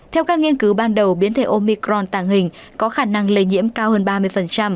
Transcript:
theo các nghiên cứu ban đầu biến thể omicron tàng hình có khả năng lây nhiễm cao hơn ba mươi